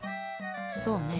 そうねえ